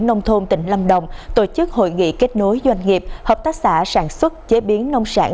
nông thôn tỉnh lâm đồng tổ chức hội nghị kết nối doanh nghiệp hợp tác xã sản xuất chế biến nông sản